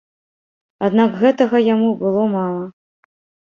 Аднак гэтага яму было мала.